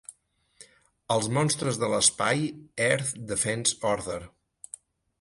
Els monstres de l'espai - Earth Defense Order.